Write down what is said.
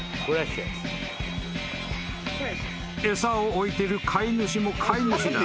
［餌を置いてる飼い主も飼い主だ。